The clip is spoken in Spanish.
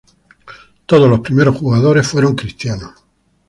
Todos los primeros jugadores fueron Cristianos.